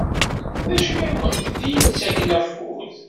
D acu i akent-d-yettakken afud?